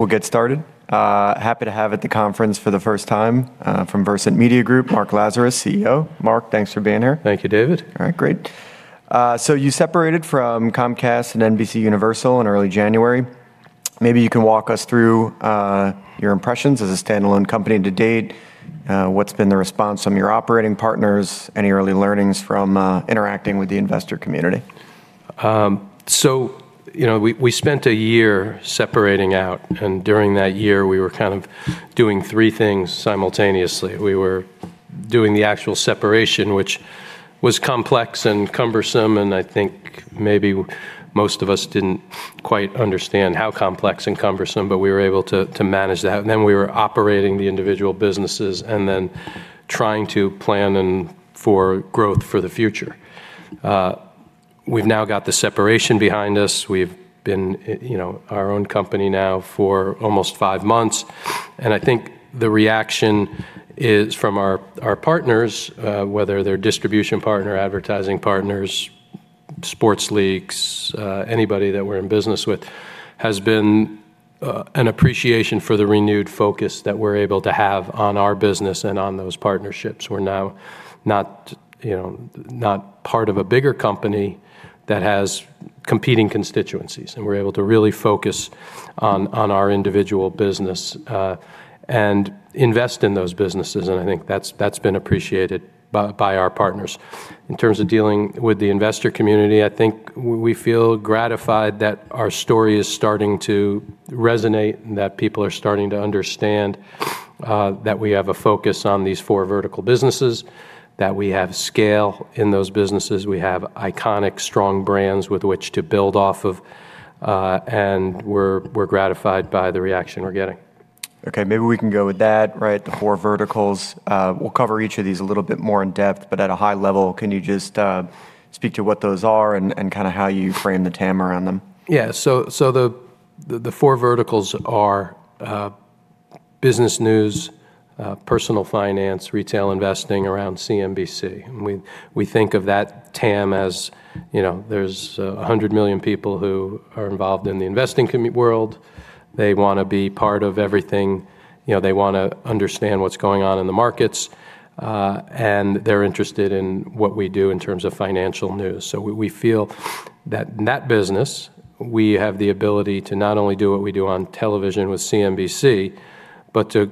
We'll get started. Happy to have at the conference for the first time, from Versant Media Group, Mark Lazarus, CEO. Mark, thanks for being here. Thank you, David. All right, great. You separated from Comcast and NBCUniversal in early January. Maybe you can walk us through your impressions as a standalone company to date. What's been the response from your operating partners? Any early learnings from interacting with the investor community? We spent a year separating out, and during that year, we were kind of doing three things simultaneously. We were doing the actual separation, which was complex and cumbersome, and I think maybe most of us didn't quite understand how complex and cumbersome, but we were able to manage that. We were operating the individual businesses and then trying to plan for growth for the future. We've now got the separation behind us. We've been our own company now for almost five` months, and I think the reaction from our partners, whether they're distribution partner, advertising partners, sports leagues, anybody that we're in business with, has been an appreciation for the renewed focus that we're able to have on our business and on those partnerships. We're now not part of a bigger company that has competing constituencies, and we're able to really focus on our individual business, and invest in those businesses, and I think that's been appreciated by our partners. In terms of dealing with the investor community, I think we feel gratified that our story is starting to resonate and that people are starting to understand that we have a focus on these four vertical businesses, that we have scale in those businesses, we have iconic strong brands with which to build off of, and we're gratified by the reaction we're getting. Okay. Maybe we can go with that, right, the four verticals. We'll cover each of these a little bit more in depth, but at a high level, can you just speak to what those are and how you frame the TAM around them? Yeah. The four verticals are business news, personal finance, retail investing around CNBC. We think of that TAM as there's 100 million people who are involved in the investing world. They want to be part of everything. They want to understand what's going on in the markets, and they're interested in what we do in terms of financial news. We feel that in that business, we have the ability to not only do what we do on television with CNBC, but to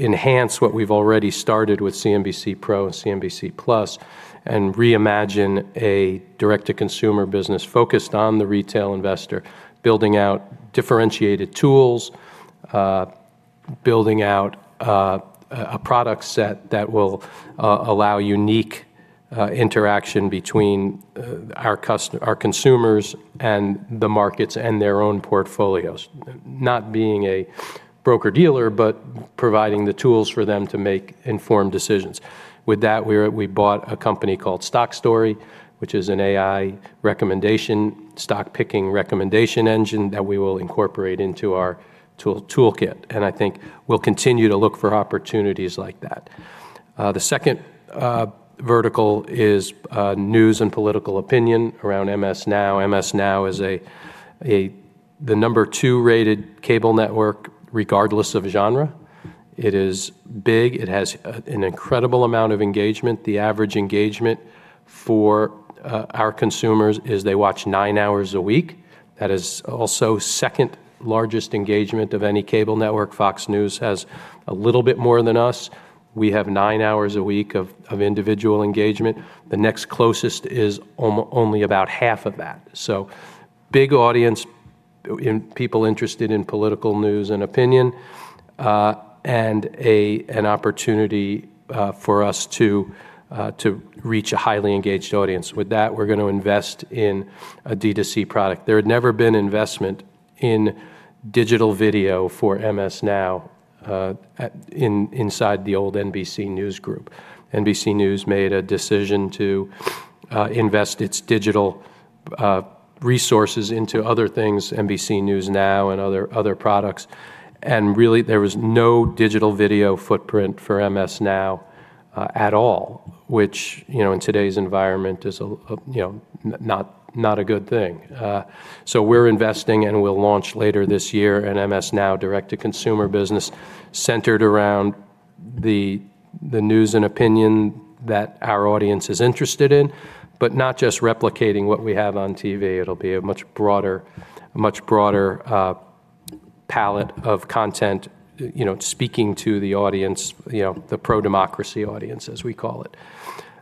enhance what we've already started with CNBC Pro and CNBC+ and reimagine a direct-to-consumer business focused on the retail investor, building out differentiated tools, building out a product set that will allow unique interaction between our consumers and the markets and their own portfolios. Not being a broker-dealer but providing the tools for them to make informed decisions. With that, we bought a company called StockStory, which is an AI stock-picking recommendation engine that we will incorporate into our toolkit. I think we'll continue to look for opportunities like that. The second vertical is news and political opinion around MS NOW. MS NOW is the number 2-rated cable network, regardless of genre. It is big. It has an incredible amount of engagement. The average engagement for our consumers is they watch nine hours a week. That is also second-largest engagement of any cable network. Fox News has a little bit more than us. We have nine hours a week of individual engagement. The next closest is only about half of that. Big audience in people interested in political news and opinion, and an opportunity for us to reach a highly engaged audience. With that, we're going to invest in a D2C product. There had never been investment in digital video for MS NOW inside the old NBC News Group. NBC News made a decision to invest its digital resources into other things, NBC News NOW and other products. Really, there was no digital video footprint for MS NOW at all, which, in today's environment is not a good thing. We're investing and will launch later this year an MS NOW direct-to-consumer business centered around the news and opinion that our audience is interested in, but not just replicating what we have on TV. It'll be a much broader palette of content, speaking to the audience, the pro-democracy audience, as we call it.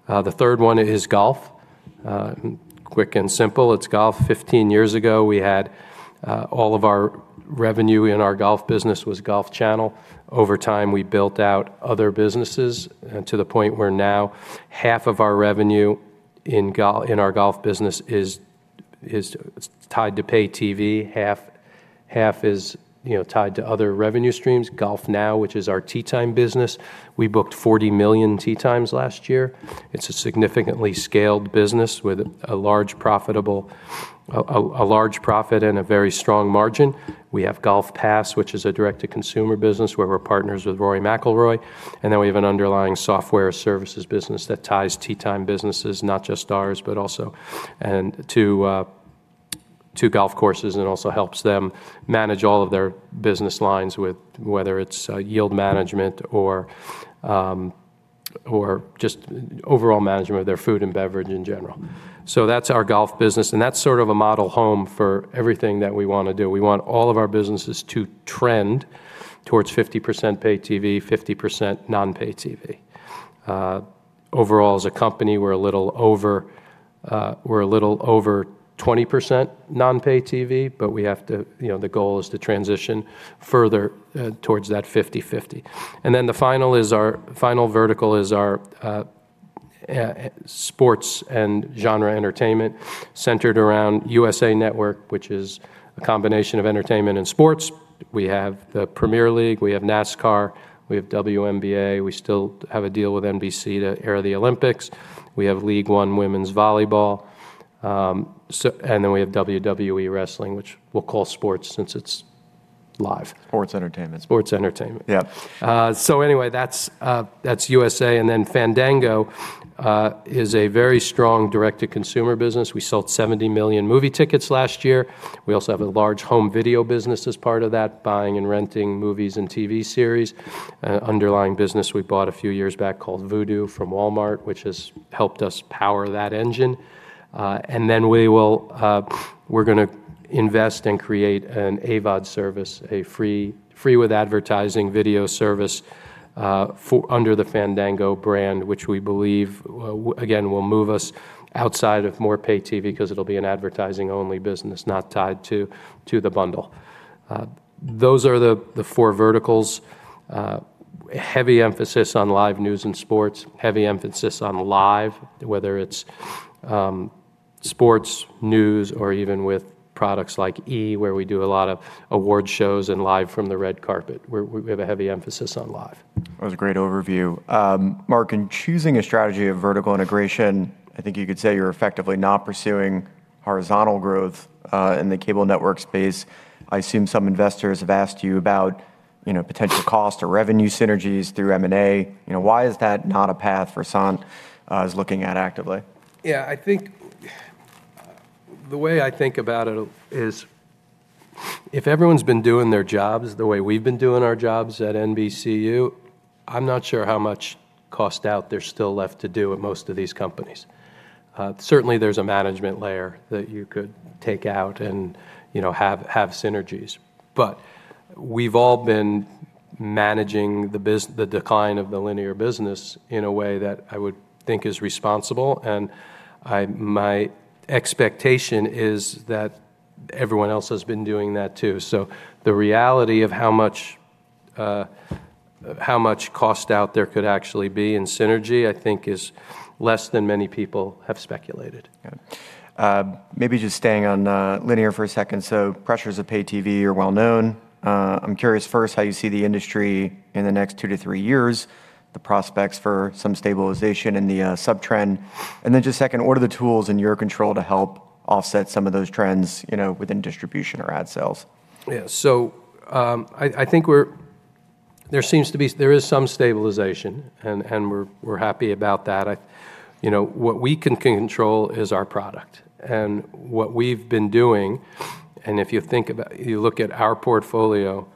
The third one is golf. Quick and simple, it's golf. 15 years ago, we had all of our revenue in our golf business was Golf Channel. Over time, we built out other businesses to the point where now half of our revenue in our golf business is tied to pay TV, half is tied to other revenue streams. GolfNow, which is our tee time business, we booked 40 million tee times last year. It's a significantly scaled business with a large profit and a very strong margin. We have GolfPass, which is a direct-to-consumer business where we're partners with Rory McIlroy. We have an underlying software services business that ties tee time businesses, not just ours, but also to two golf courses and also helps them manage all of their business lines, whether it's yield management or just overall management of their food and beverage in general. That's our golf business, and that's sort of a model home for everything that we want to do. We w`ant all of our businesses to trend towards 50% pay TV, 50% non-pay TV. Overall, as a company, we're a little over 20% non-pay TV, but the goal is to transition further towards that 50/50. The final vertical is our sports and genre entertainment centered around USA Network, which is a combination of entertainment and sports. We have the Premier League, we have NASCAR, we have WNBA. We still have a deal with NBC to air the Olympics. We have League One women's volleyball. We have WWE wrestling, which we'll call sports since it's live. Sports Entertainment. Sports Entertainment. Yeah. Anyway, that's USA. Then Fandango is a very strong direct-to-consumer business. We sold 70 million movie tickets last year. We also have a large home video business as part of that, buying and renting movies and TV series. Underlying business we bought a few years back called Vudu from Walmart, which has helped us power that engine. Then we're going to invest and create an AVOD service, a free with advertising video service under the Fandango brand, which we believe, again, will move us outside of more pay TV because it'll be an advertising-only business, not tied to the bundle. Those are the four verticals. Heavy emphasis on live news and sports, heavy emphasis on live, whether it's sports, news, or even with products like E!, where we do a lot of award shows and live from the red carpet. We have a heavy emphasis on live. That was a great overview. Mark, in choosing a strategy of vertical integration, I think you could say you're effectively not pursuing horizontal growth in the cable network space. I assume some investors have asked you about potential cost or revenue synergies through M&A. Why is that not a path Versant is looking at actively? The way I think about it is if everyone's been doing their jobs the way we've been doing our jobs at NBCU, I'm not sure how much cost out there's still left to do at most of these companies. Certainly, there's a management layer that you could take out and have synergies. We've all been managing the decline of the linear business in a way that I would think is responsible, and my expectation is that everyone else has been doing that too. The reality of how much cost out there could actually be in synergy, I think is less than many people have speculated. Got it. Maybe just staying on linear for a second. Pressures of pay TV are well known. I'm curious first how you see the industry in the next two to three years, the prospects for some stabilization in the sub-trend, and then just second, what are the tools in your control to help offset some of those trends within distribution or ad sales? Yeah. I think there is some stabilization, and we're happy about that. What we can control is our product. What we've been doing, and if you look at our portfolio,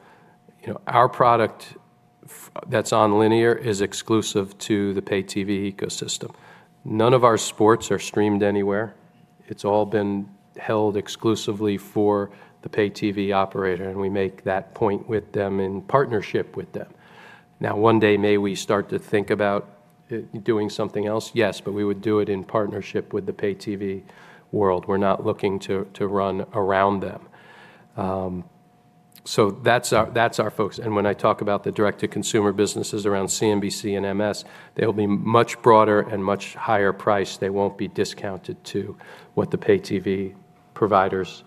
our product that's on linear is exclusive to the pay TV ecosystem. None of our sports are streamed anywhere. It's all been held exclusively for the pay TV operator, and we make that point with them in partnership with them. Now, one day, may we start to think about doing something else? Yes, we would do it in partnership with the pay TV world. We're not looking to run around them. That's our focus. When I talk about the direct-to-consumer businesses around CNBC and MS, they'll be much broader and much higher priced. They won't be discounted to what the pay TV providers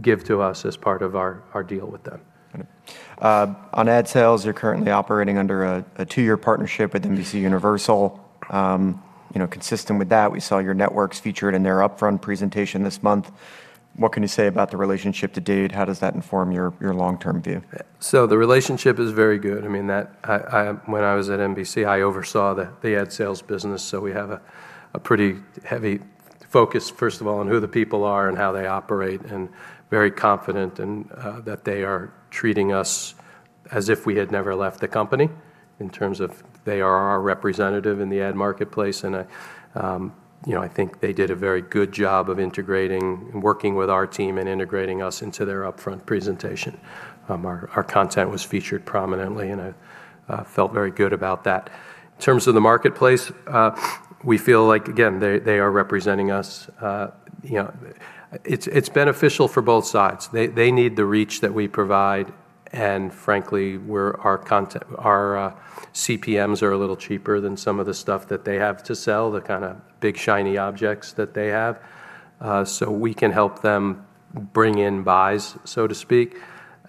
give to us as part of our deal with them. Got it. On ad sales, you're currently operating under a two-year partnership with NBCUniversal. Consistent with that, we saw your networks featured in their upfront presentation this month. What can you say about the relationship to date? How does that inform your long-term view? The relationship is very good. When I was at NBC, I oversaw the ad sales business, so we have a pretty heavy focus, first of all, on who the people are and how they operate, and very confident that they are treating us as if we had never left the company in terms of they are our representative in the ad marketplace, and I think they did a very good job of integrating and working with our team and integrating us into their upfront presentation. Our content was featured prominently, and I felt very good about that. In terms of the marketplace, we feel like, again, they are representing us. It's beneficial for both sides. They need the reach that we provide, and frankly, our CPMs are a little cheaper than some of the stuff that they have to sell, the kind of big, shiny objects that they have. We can help them bring in buys, so to speak.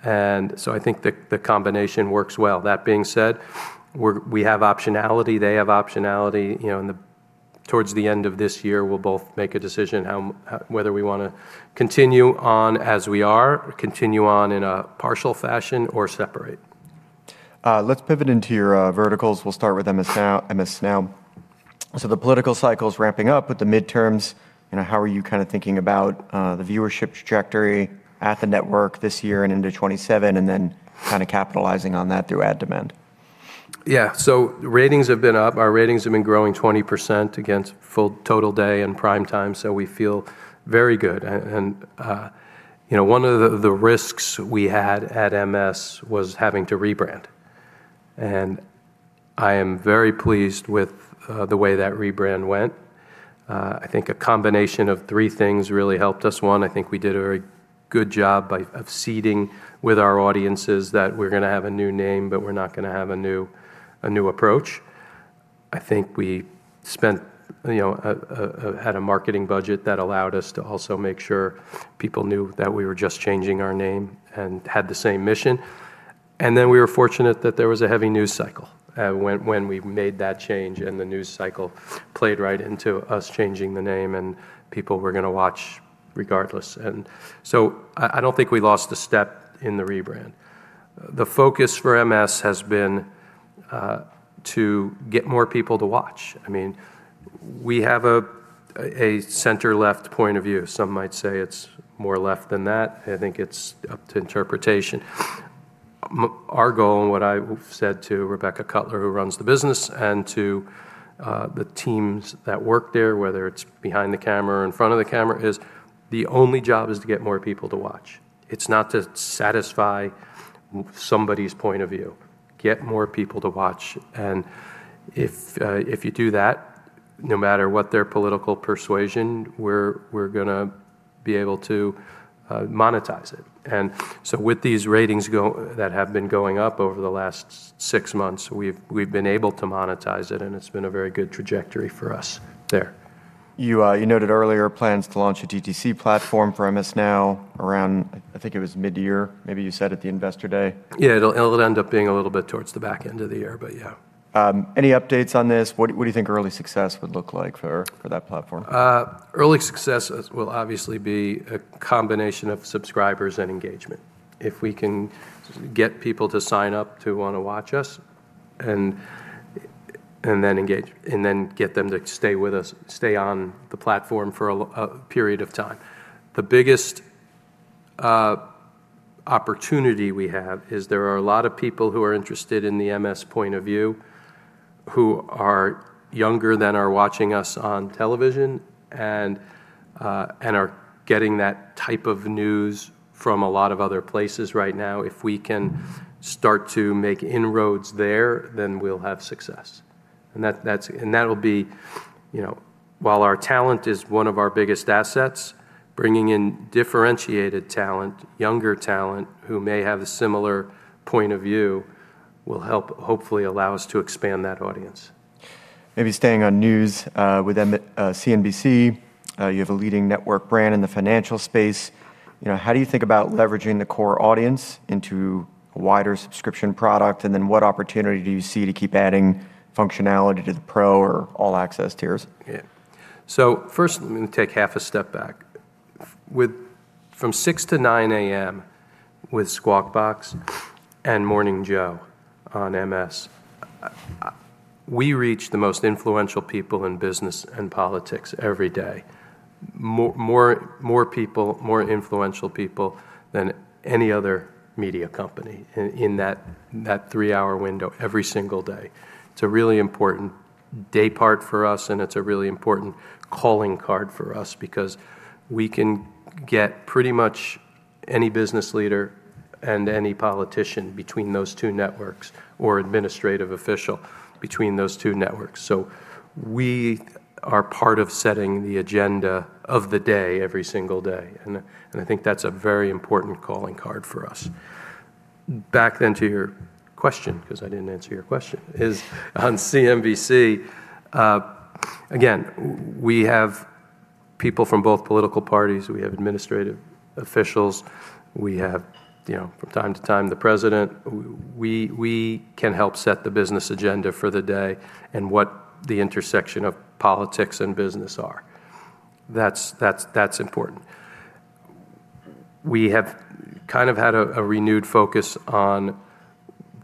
I think the combination works well. That being said, we have optionality. They have optionality. Towards the end of this year, we'll both make a decision whether we want to continue on as we are, continue on in a partial fashion, or separate. Let's pivot into your verticals. We'll start with MS NOW. The political cycle's ramping up with the midterms. How are you thinking about the viewership trajectory at the network this year and into 2027, and then capitalizing on that through ad demand? Ratings have been up. Our ratings have been growing 20% against full total day and prime time, so we feel very good. One of the risks we had at MS was having to rebrand, and I am very pleased with the way that rebrand went. I think a combination of three things really helped us. One, I think we did a very good job by seeding with our audiences that we're going to have a new name, but we're not going to have a new approach. I think we had a marketing budget that allowed us to also make sure people knew that we were just changing our name and had the same mission. We were fortunate that there was a heavy news cycle when we made that change, and the news cycle played right into us changing the name, and people were going to watch regardless. I don't think we lost a step in the rebrand. The focus for MS has been to get more people to watch. We have a center-left point of view. Some might say it's more left than that. I think it's up to interpretation. Our goal, and what I've said to Rebecca Kutler, who runs the business, and to the teams that work there, whether it's behind the camera or in front of the camera, is the only job is to get more people to watch. It's not to satisfy somebody's point of view. Get more people to watch, if you do that, no matter what their political persuasion, we're going to be able to monetize it. With these ratings that have been going up over the last six months, we've been able to monetize it, and it's been a very good trajectory for us there. You noted earlier plans to launch a DTC platform for MS NOW around, I think it was mid-year. Maybe you said at the investor day. Yeah. It'll end up being a little bit towards the back end of the year, but yeah. Any updates on this? What do you think early success would look like for that platform? Early success will obviously be a combination of subscribers and engagement. If we can get people to sign up to want to watch us, and then get them to stay with us, stay on the platform for a period of time. The biggest opportunity we have is there are a lot of people who are interested in the MS point of view who are younger that are watching us on television and are getting that type of news from a lot of other places right now. If we can start to make inroads there, then we'll have success. That'll be, while our talent is one of our biggest assets, bringing in differentiated talent, younger talent who may have a similar point of view will help hopefully allow us to expand that audience. Maybe staying on news with CNBC, you have a leading network brand in the financial space. How do you think about leveraging the core audience into a wider subscription product? What opportunity do you see to keep adding functionality to the Pro or All Access tiers? First, I'm going to take half a step back. From 6:00 A.M. to 9:00 A.M. with Squawk Box and Morning Joe on MS, we reach the most influential people in business and politics every day. More influential people than any other media company in that three-hour window every single day. It's a really important day part for us, and it's a really important calling card for us because we can get pretty much any business leader and any politician between those two networks, or administrative official between those two networks. We are part of setting the agenda of the day every single day. I think that's a very important calling card for us. Then to your question, because I didn't answer your question, is on CNBC, again, we have people from both political parties. We have administrative officials. We have from time to time the president. We can help set the business agenda for the day and what the intersection of politics and business are. That's important. We have had a renewed focus on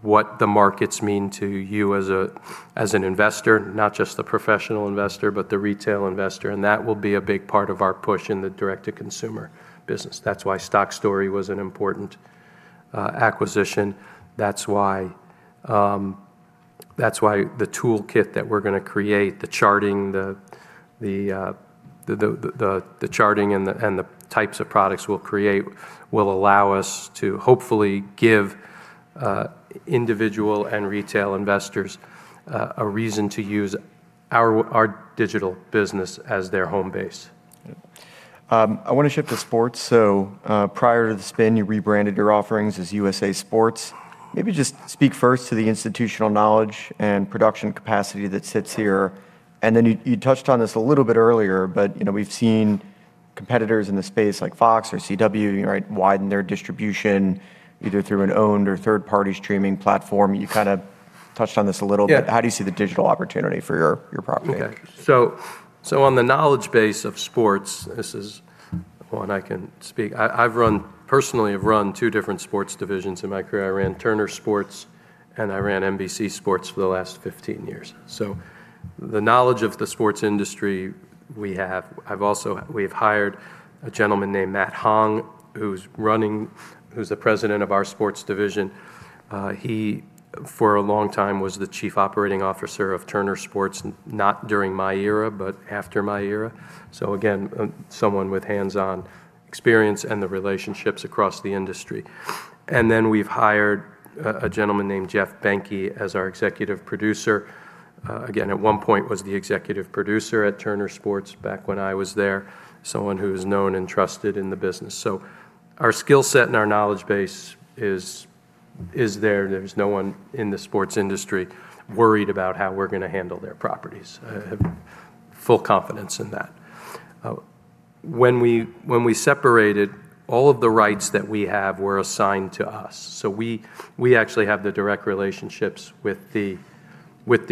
what the markets mean to you as an investor, not just the professional investor, but the retail investor, and that will be a big part of our push in the direct-to-consumer business. That's why StockStory was an important acquisition. That's why the toolkit that we're going to create, the charting and the types of products we'll create will allow us to hopefully give individual and retail investors a reason to use our digital business as their home base. I want to shift to sports. Prior to the spin, you rebranded your offerings as USA Sports. Maybe just speak first to the institutional knowledge and production capacity that sits here, and then you touched on this a little bit earlier, but we've seen competitors in the space like Fox or CW widen their distribution either through an owned or third-party streaming platform. You touched on this a little bit. Yeah. How do you see the digital opportunity for your property? Okay. On the knowledge base of sports, this is one I can speak. I've personally run two different sports divisions in my career. I ran Turner Sports and I ran NBC Sports for the last 15 years. The knowledge of the sports industry we have. We've hired a gentleman named Matt Hong, who's the president of our sports division. He, for a long time, was the chief operating officer of Turner Sports, not during my era, but after my era. Again, someone with hands-on experience and the relationships across the industry. We've hired a gentleman named Jeff Behnke as our Executive Producer. Again, at one point was the Executive Producer at Turner Sports back when I was there, someone who's known and trusted in the business. Our skill set and our knowledge base is there. There's no one in the sports industry worried about how we're going to handle their properties. I have full confidence in that. When we separated, all of the rights that we have were assigned to us. We actually have the direct relationships with the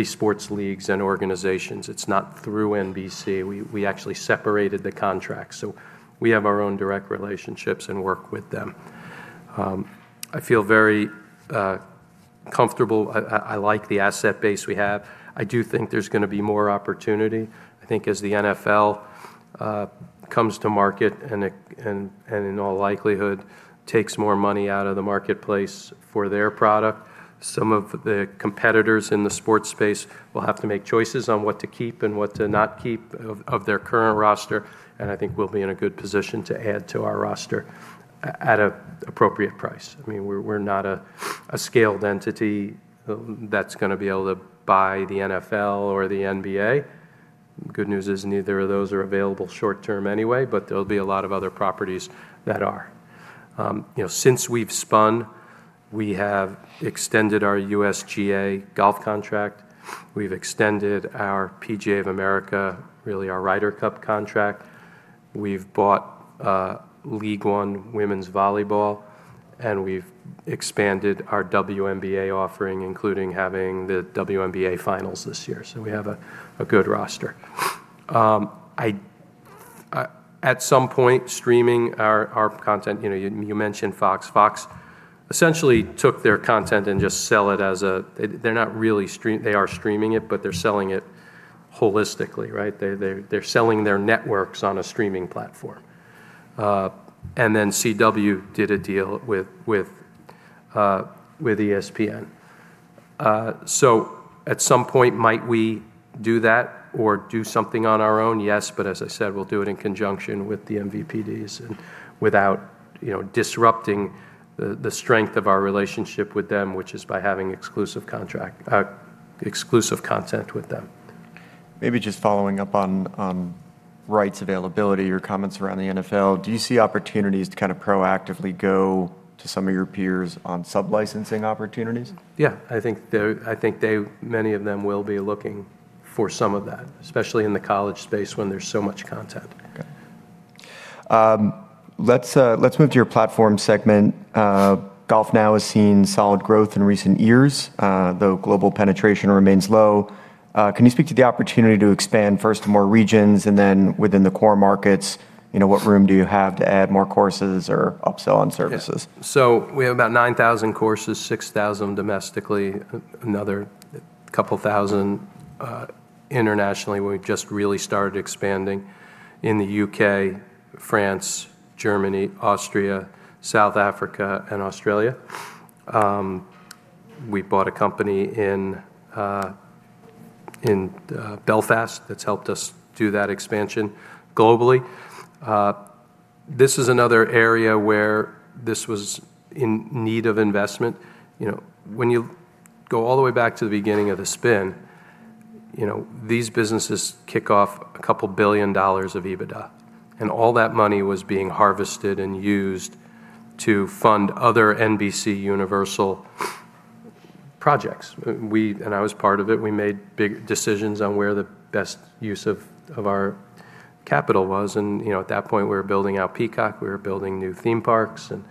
sports leagues and organizations. It's not through NBC. We actually separated the contracts, so we have our own direct relationships and work with them. I feel very comfortable. I like the asset base we have. I do think there's going to be more opportunity, I think, as the NFL comes to market, and in all likelihood takes more money out of the marketplace for their product. Some of the competitors in the sports space will have to make choices on what to keep and what to not keep of their current roster. I think we'll be in a good position to add to our roster at an appropriate price. We're not a scaled entity that's going to be able to buy the NFL or the NBA. Good news is neither of those are available short-term anyway. There'll be a lot of other properties that are. Since we've spun, we have extended our USGA golf contract. We've extended our PGA of America, really our Ryder Cup contract. We've bought League One women's volleyball. We've expanded our WNBA offering, including having the WNBA finals this year. We have a good roster. At some point streaming our content, you mentioned Fox. Fox essentially took their content. They are streaming it, but they're selling it holistically, right? They're selling their networks on a streaming platform. CW did a deal with ESPN. At some point, might we do that or do something on our own? Yes. As I said, we'll do it in conjunction with the MVPDs and without disrupting the strength of our relationship with them, which is by having exclusive content with them. Maybe just following up on rights availability or comments around the NFL. Do you see opportunities to kind of proactively go to some of your peers on sub-licensing opportunities? Yeah. I think many of them will be looking for some of that, especially in the college space when there is so much content. Okay. Let's move to your platform segment. GolfNow has seen solid growth in recent years, though global penetration remains low. Can you speak to the opportunity to expand first to more regions, and then within the core markets, what room do you have to add more courses or upsell on services? Yeah. We have about 9,000 courses, 6,000 domestically, another couple of thousands internationally. We've just really started expanding in the U.K., France, Germany, Austria, South Africa, and Australia. We bought a company in Belfast that's helped us do that expansion globally. This is another area where this was in need of investment. When you go all the way back to the beginning of the spin, these businesses kick off a couple of billion dollars of EBITDA, and all that money was being harvested and used to fund other NBCUniversal projects. I was part of it. We made big decisions on where the best use of our capital was, and at that point, we were building out Peacock, we were building new theme parks, and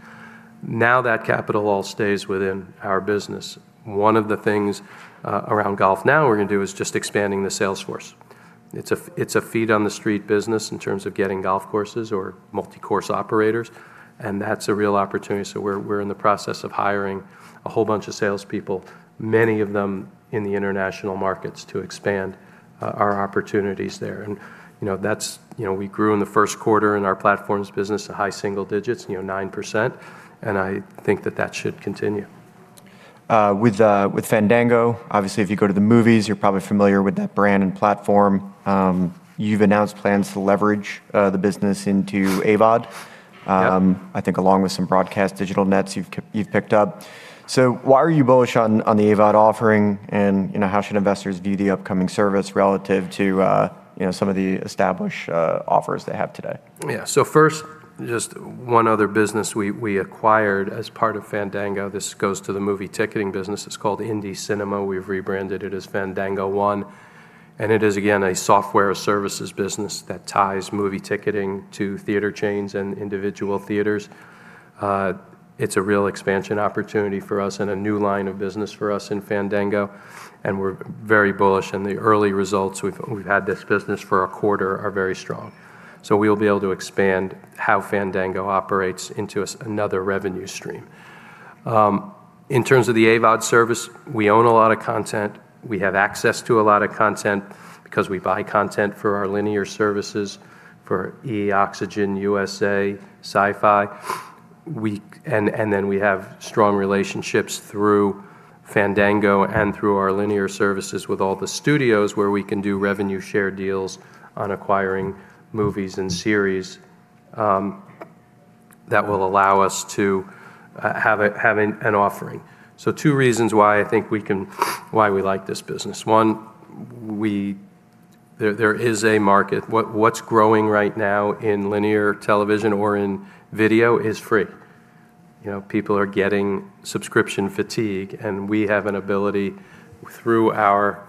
now that capital all stays within our business. One of the things around GolfNow we're going to do is just expanding the sales force. It's a feet on the street business in terms of getting golf courses or multi-course operators, and that's a real opportunity. We're in the process of hiring a whole bunch of salespeople, many of them in the international markets, to expand our opportunities there. We grew in the first quarter in our platforms business to high single digits, 9%. I think that that should continue. With Fandango, obviously, if you go to the movies, you're probably familiar with that brand and platform. You've announced plans to leverage the business into AVOD. Yep. I think along with some broadcast digital nets you've picked up. Why are you bullish on the AVOD offering, and how should investors view the upcoming service relative to some of the established offers they have today? Yeah. First, just one other business we acquired as part of Fandango. This goes to the movie ticketing business. It's called Indy Cinema. We've rebranded it as Fandango1. It is again, a software services business that ties movie ticketing to theater chains and individual theaters. It's a real expansion opportunity for us and a new line of business for us in Fandango, and we're very bullish. The early results, we've had this business for a quarter, are very strong. We'll be able to expand how Fandango operates into another revenue stream. In terms of the AVOD service, we own a lot of content. We have access to a lot of content because we buy content for our linear services for E!, Oxygen, USA, Syfy. Then we have strong relationships through Fandango and through our linear services with all the studios where we can do revenue share deals on acquiring movies and series, that will allow us to have an offering. Two reasons why I think we like this business. One. There is a market. What's growing right now in linear television or in video is free. People are getting subscription fatigue, and we have an ability through our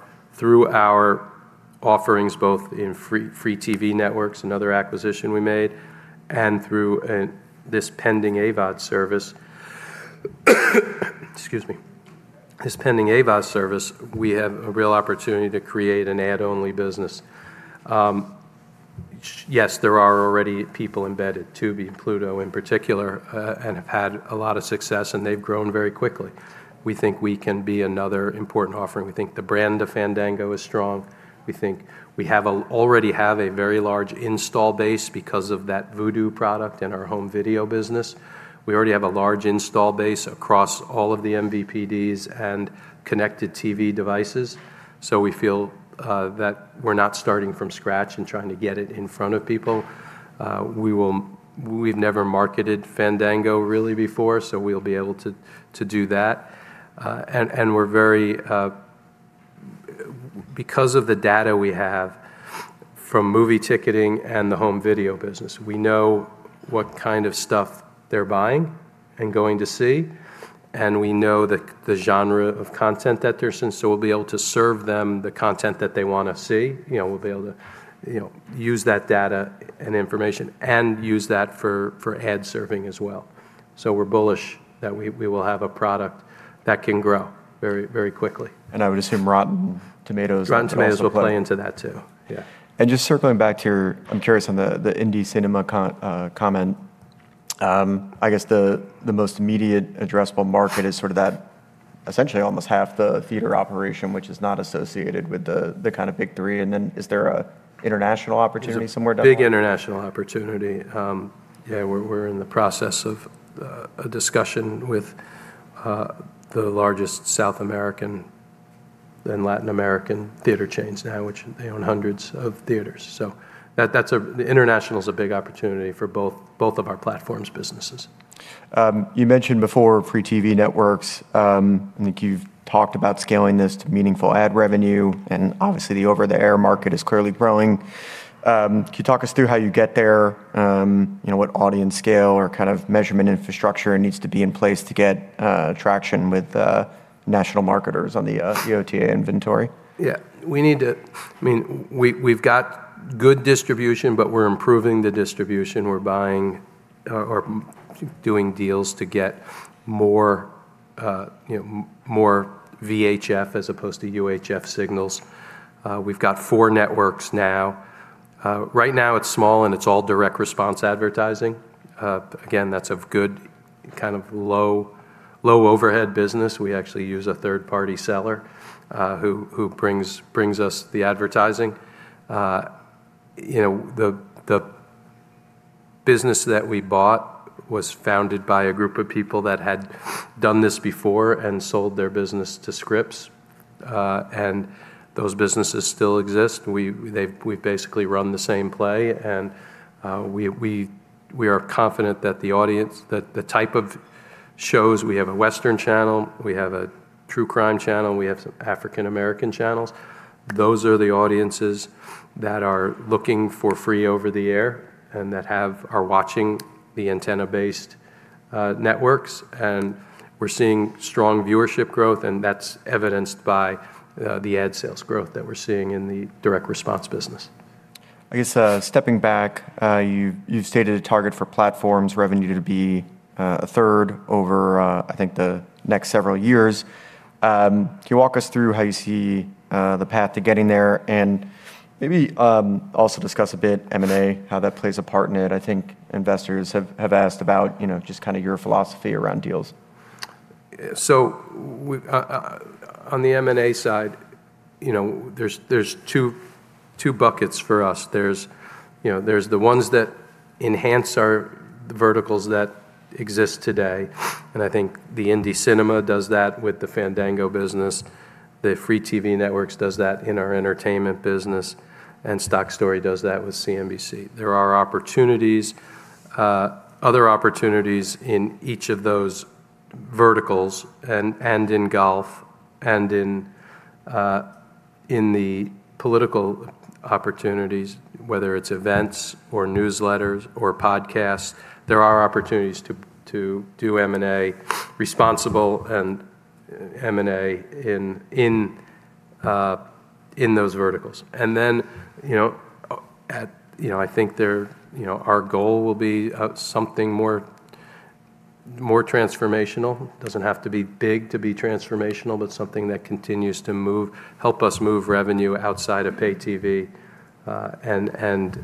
offerings, both in free TV networks, another acquisition we made, and through this pending AVOD service, we have a real opportunity to create an ad-only business. Yes, there are already people embedded, Tubi and Pluto in particular, and have had a lot of success and they've grown very quickly. We think we can be another important offering. We think the brand of Fandango is strong. We think we already have a very large install base because of that Vudu product in our home video business. We already have a large install base across all of the MVPDs and connected TV devices. We feel that we're not starting from scratch and trying to get it in front of people. We've never marketed Fandango really before, so we'll be able to do that. Because of the data we have from movie ticketing and the home video business, we know what kind of stuff they're buying and going to see, and we know the genre of content that they sense, so we'll be able to serve them the content that they want to see. We'll be able to use that data and information and use that for ad serving as well. We're bullish that we will have a product that can grow very quickly. I would assume Rotten Tomatoes. Rotten Tomatoes will play into that too. Yeah. Just circling back, I'm curious on the Indy Cinema comment. I guess the most immediate addressable market is sort of that essentially almost half the theater operation, which is not associated with the kind of big three. Is there an international opportunity somewhere? There's a big international opportunity. Yeah, we're in the process of a discussion with the largest South American and Latin American theater chains now, which they own hundreds of theaters. International's a big opportunity for both of our platforms businesses. You mentioned before free TV networks. I think you've talked about scaling this to meaningful ad revenue. Obviously, the over-the-air market is clearly growing. Can you talk us through how you get there? What audience scale or kind of measurement infrastructure needs to be in place to get traction with national marketers on the OTA inventory? Yeah. We've got good distribution, but we're improving the distribution. We're buying or doing deals to get more VHF as opposed to UHF signals. We've got four networks now. Right now, it's small and it's all direct response advertising. Again, that's a good kind of low overhead business. We actually use a third-party seller, who brings us the advertising. The business that we bought was founded by a group of people that had done this before and sold their business to Scripps. Those businesses still exist. We've basically run the same play and we are confident that the audience, that the type of shows, we have a Western channel, we have a true crime channel, we have some African American channels. Those are the audiences that are looking for free over-the-air and that are watching the antenna-based networks. We're seeing strong viewership growth, and that's evidenced by the ad sales growth that we're seeing in the direct response business. I guess, stepping back, you've stated a target for platforms revenue to be a third over, I think the next several years. Can you walk us through how you see the path to getting there and maybe, also discuss a bit M&A, how that plays a part in it? I think investors have asked about just your philosophy around deals. On the M&A side, there's two buckets for us. There's the ones that enhance our verticals that exist today, and I think the Indy Cinema does that with the Fandango business. The free TV networks does that in our entertainment business, and StockStory does that with CNBC. There are other opportunities in each of those verticals and in golf and in the political opportunities, whether it's events or newsletters or podcasts, there are opportunities to do M&A responsible and M&A in those verticals. I think our goal will be something more transformational. Doesn't have to be big to be transformational, but something that continues to help us move revenue outside of pay TV and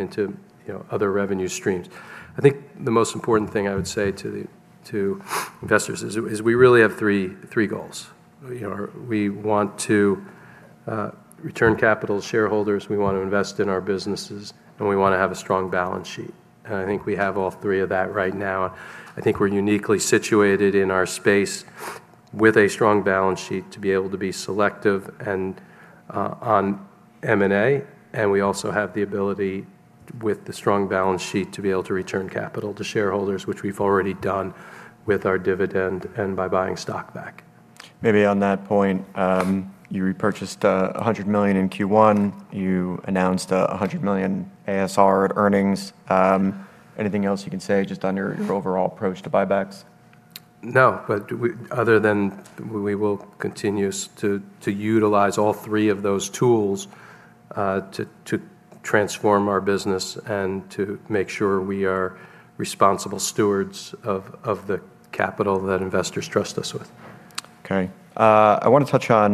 into other revenue streams. I think the most important thing I would say to investors is we really have three goals. We want to return capital to shareholders, we want to invest in our businesses, and we want to have a strong balance sheet, and I think we have all three of that right now. I think we're uniquely situated in our space with a strong balance sheet to be able to be selective on M&A. We also have the ability, with the strong balance sheet, to be able to return capital to shareholders, which we've already done with our dividend and by buying stock back. Maybe on that point, you repurchased $100 million in Q1. You announced $100 million ASR at earnings. Anything else you can say just on your overall approach to buybacks? No, other than we will continue to utilize all three of those tools to transform our business and to make sure we are responsible stewards of the capital that investors trust us with. I want to touch on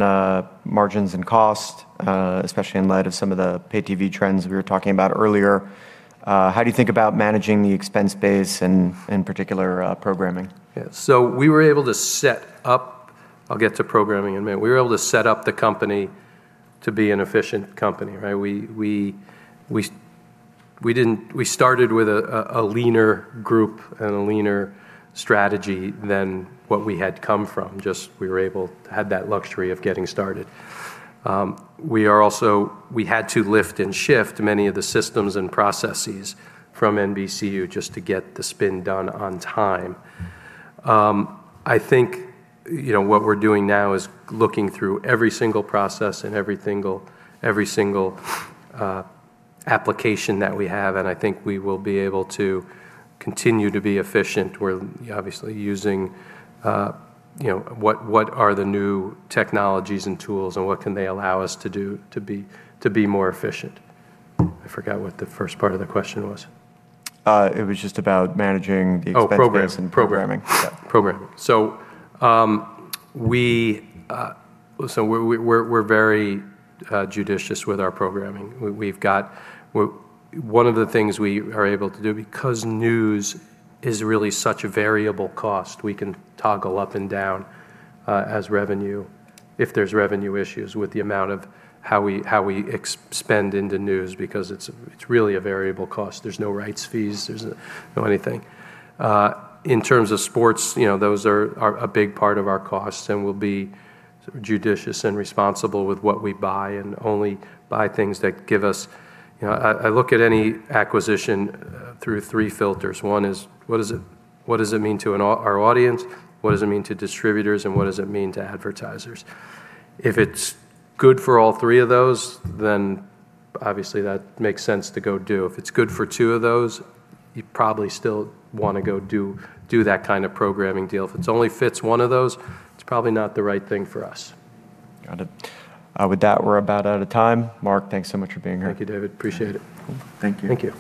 margins and cost, especially in light of some of the pay TV trends we were talking about earlier. How do you think about managing the expense base and, in particular, programming? Yeah. We were able to set up I'll get to programming in a minute. We were able to set up the company to be an efficient company, right? We started with a leaner group and a leaner strategy than what we had come from. Just we were able to have that luxury of getting started. We had to lift and shift many of the systems and processes from NBCU just to get the spin done on time. I think what we're doing now is looking through every single process and every single application that we have, and I think we will be able to continue to be efficient. We're obviously using what are the new technologies and tools and what can they allow us to do to be more efficient. I forgot what the first part of the question was. It was just about managing the expense. Oh, programming. base and programming. Yeah. Programming. We're very judicious with our programming. One of the things we are able to do, because news is really such a variable cost, we can toggle up and down as revenue if there's revenue issues with the amount of how we expend into news because it's really a variable cost. There's no rights fees. There's no anything. In terms of sports, those are a big part of our costs, and we'll be judicious and responsible with what we buy and only buy things that give us. I look at any acquisition through three filters. One is what does it mean to our audience, what does it mean to distributors, and what does it mean to advertisers? If it's good for all three of those, then obviously that makes sense to go do. If it's good for two of those, you probably still want to go do that kind of programming deal. If it only fits one of those, it's probably not the right thing for us. Got it. With that, we're about out of time. Mark, thanks so much for being here. Thank you, David. Appreciate it. Cool. Thank you. Thank you.